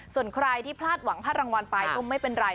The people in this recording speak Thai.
ส่วนใครที่พลาดหวังพลาดรางวัลไปก็ไม่เป็นไร